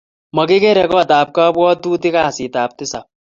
Makikere kot ab kabuatutik kasit ab tisap